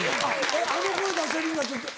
えっ「あの声出せるんだ」って？